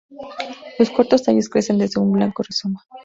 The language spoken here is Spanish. Sus cortos tallos crecen desde un blanco rizoma.